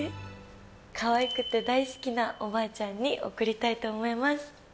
かわいくて大好きなおばあちゃんにおくりたいと思います。